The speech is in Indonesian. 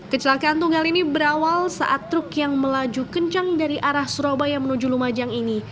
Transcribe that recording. kecelakaan tunggal ini berawal saat truk yang melaju kencang dari arah surabaya menuju lumajang ini